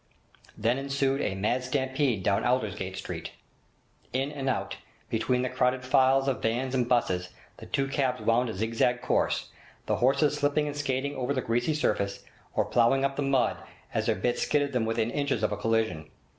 Then ensued a mad stampede down Aldersgate Street. In and out, between the crowded files of vans and 'buses, the two cabs wound a zig zag course; the horses slipping and skating over the greasy surface, or ploughing up the mud as their bits skidded them within inches of a collision.